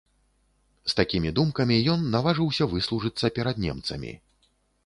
З такімі думкамі ён наважыўся выслужыцца перад немцамі.